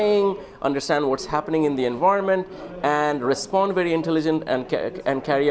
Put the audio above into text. bahwa mereka dapat memiliki ai misalnya membantu mereka menulis liniar cerita